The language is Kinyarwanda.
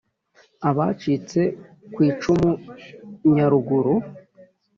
Abacitse ku icumu Nyaruguru